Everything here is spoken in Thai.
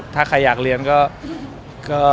ถ้าใครอยากเรียนก็